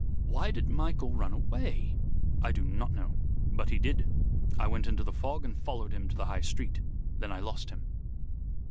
'" "Why did Michael run away?" "I do not know. But he did. I went into the fog and followed him to the High Street. Then I lost him.